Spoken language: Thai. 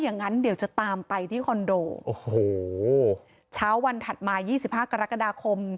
งั้นเดี๋ยวจะตามไปที่คอนโดโอ้โหช้าวันถัดมายี่สิบห้ากรกฎาคม